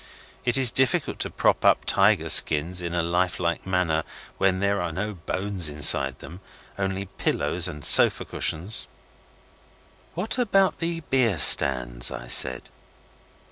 It is difficult to prop up tiger skins in a life like manner when there are no bones inside them, only pillows and sofa cushions. 'What about the beer stands?' I said.